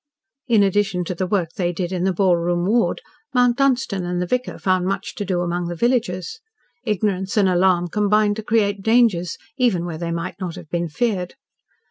In addition to the work they did in the ballroom ward, Mount Dunstan and the vicar found much to do among the villagers. Ignorance and alarm combined to create dangers, even where they might not have been feared.